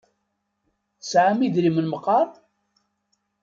Tesɛam idrimen meqqar?